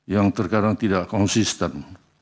yang terkadang tidak konsisten